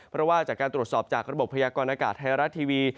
เพราะว่าจากการตรวจสอบจากระบบพยากรณากาศไทยรัฐทีวี